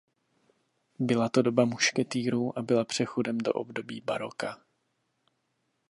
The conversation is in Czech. Byla to doba mušketýrů a byla přechodem do období baroka.